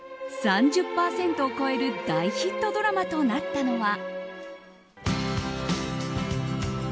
３０％を超える大ヒットドラマとなったのは。